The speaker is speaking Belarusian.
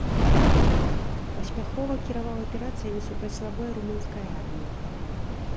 Паспяхова кіраваў аперацыямі супраць слабой румынскай арміі.